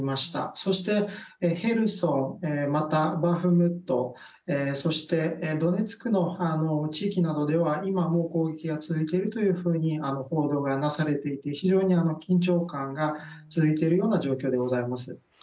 そしてヘルソン、またバフムトそして、ドネツクの地域などでは今も攻撃が続いているというふうに報道がなされていて非常に緊張感が続いているような状況でございます。